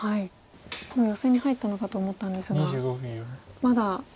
もうヨセに入ったのかと思ったんですがまだ。